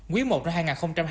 quý i ra hai nghìn hai mươi hai